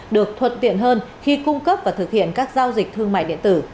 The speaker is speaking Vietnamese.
được thuận tiện hơn khi cung cấp và thực hiện các giao dịch thương mại điện tử